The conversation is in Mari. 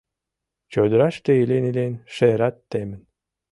Чодыраште илен-илен, шерат темын.